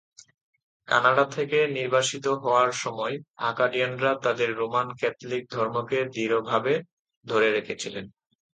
Canada থেকে নির্বাসিত হওয়ার সময়, আকাডিয়ানরা তাদের রোমান ক্যাথলিক ধর্মকে দৃঢ়ভাবে ধরে রেখেছিল।